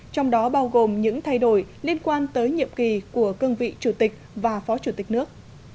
trong đó bao gồm những thay đổi liên quan tới nhiệm kỳ của cương vị chủ tịch và phó chủ tịch nước